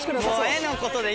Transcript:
絵のことで